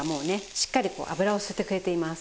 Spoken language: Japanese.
しっかりこう脂を吸ってくれています。